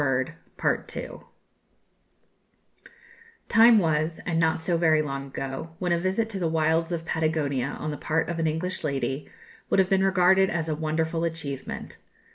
Time was, and not so very long ago, when a visit to the wilds of Patagonia on the part of an English lady would have been regarded as a wonderful achievement.